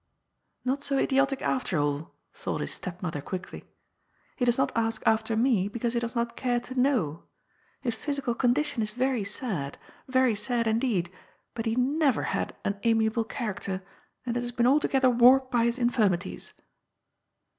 "Not so idiotic, after all," thought his stepmother quickly. " He does not ask after me because he does not STEPMOTHERS. 65 care to know. His physical condition is very sad, very sad indeed. Bat he never had an amiable character, and it has been altogether warped by his infirmities."